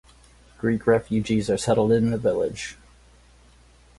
Greek refugees are settled in the village.